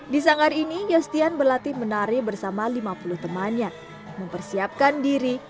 di sanggar ini yostian berlatih menari bersama lima puluh temannya mempersiapkan diri